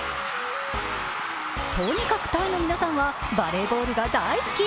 とにかくタイの皆さんはバレーボールが大好き。